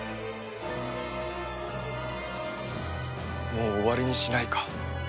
もう終わりにしないか？